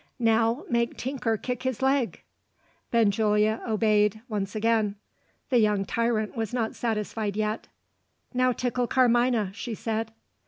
"Now make Tinker kick his leg!" Benjulia obeyed once again. The young tyrant was not satisfied yet. "Now tickle Carmina!" she said.